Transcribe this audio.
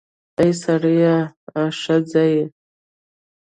اې سړیه, آ ښځې